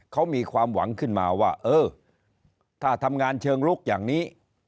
เขามีความหวังขึ้นมาว่าเออถ้าทำงานเชิงลุกอย่างนี้